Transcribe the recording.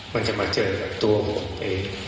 มันจะมาเจอตัวผมเอง